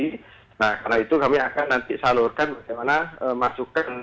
nah karena itu kami akan nanti salurkan bagaimana masukan